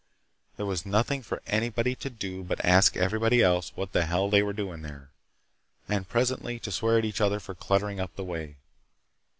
There was nothing for anybody to do but ask everybody else what the hell they were doing there, and presently to swear at each other for cluttering up the way.